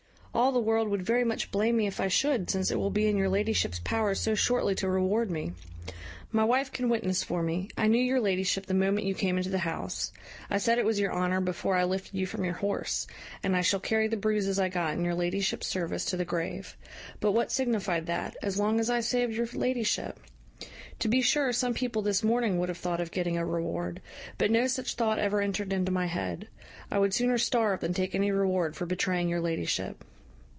All the world would very much blame me if I should, since it will be in your ladyship's power so shortly to reward me. My wife can witness for me, I knew your ladyship the moment you came into the house: I said it was your honour, before I lifted you from your horse, and I shall carry the bruises I got in your ladyship's service to the grave; but what signified that, as long as I saved your ladyship? To be sure some people this morning would have thought of getting a reward; but no such thought ever entered into my head. I would sooner starve than take any reward for betraying your ladyship."